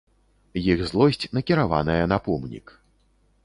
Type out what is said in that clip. Іх злосць накіраваная на помнік.